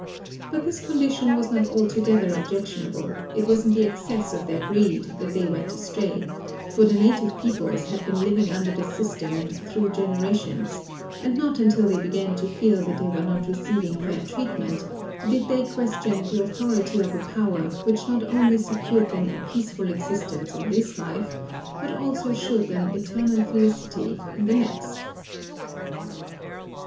But this condition was not altogether objectionable; it was in the excess of their greed that they went astray, for the native peoples had been living under this system through generations and not until they began to feel that they were not receiving fair treatment did they question the authority of a power which not only secured them a peaceful existence in this life but also assured them eternal felicity in the next.